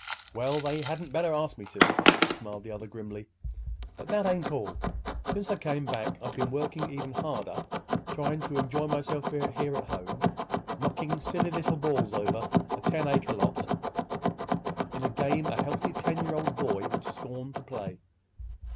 "Well, they hadn't better ask me to," smiled the other grimly. "But that ain't all. Since I come back I've been working even harder trying to enjoy myself here at home—knockin' silly little balls over a ten acre lot in a game a healthy ten year old boy would scorn to play."